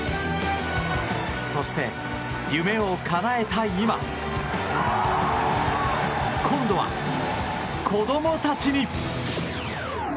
そして夢をかなえた今今度は、子供たちに！